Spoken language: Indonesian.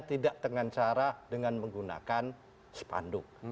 tidak dengan cara dengan menggunakan spanduk